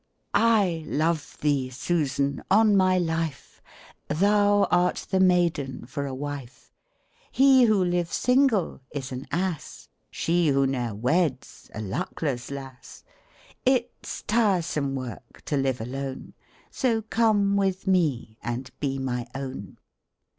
/love thee, Susan, on my life : Thou art the maiden for a wife. He who lives single is an ass ; She who ne'er weds a luckless lass. Ifs tixesome work to live alone ; So come with me, and be my own.